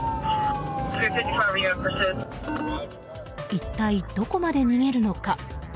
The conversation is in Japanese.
一体どこまで逃げるのか。